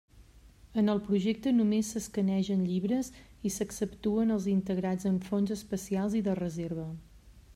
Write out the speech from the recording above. En el projecte només s'escanegen llibres i s'exceptuen els integrats en fons especials i de reserva.